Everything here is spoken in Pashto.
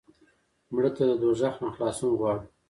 مړه ته د دوزخ نه خلاصون غواړو